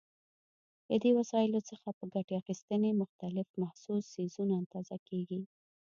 له دې وسایلو څخه په ګټې اخیستنې مختلف محسوس څیزونه اندازه کېږي.